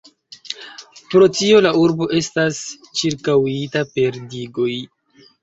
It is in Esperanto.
Pro tio la urbo estas ĉirkaŭita per digoj.